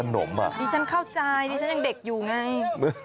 ดิฉันเข้าใจดิฉันยังเด็กอยู่ไง